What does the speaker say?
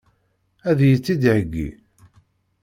Ad iyi-tt-id-iheggi?